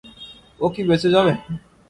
ও কী বেঁচে যাবে?